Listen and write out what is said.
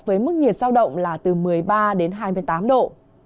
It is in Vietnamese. với mức nhiệt sao động là từ một mươi ba đến hai mươi tám độ